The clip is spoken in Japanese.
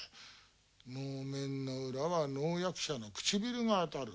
能面の裏は能役者の唇が当たる。